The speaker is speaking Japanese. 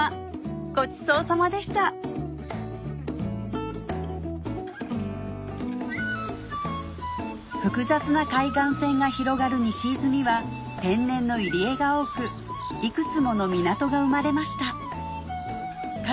ごちそうさまでした複雑な海岸線が広がる西伊豆には天然の入り江が多くいくつもの港が生まれましたか